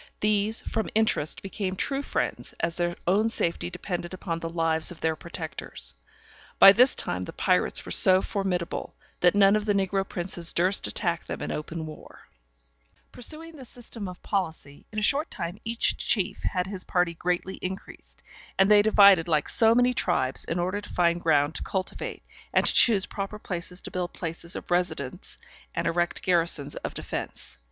These, from interest, became true friends, as their own safety depended upon the lives of their protectors. By this time the pirates were so formidable, that none of the negro princes durst attack them in open war. [Illustration: Captain Tew attacks the ship from India.] Pursuing this system of policy, in a short time each chief had his party greatly increased, and they divided like so many tribes, in order to find ground to cultivate, and to choose proper places to build places of residence and erect garrisons of defence.